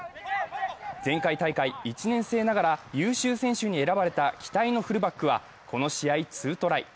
前回大会１年生ながら優秀選手に選ばれた期待のフルバックはこの試合ツートライ。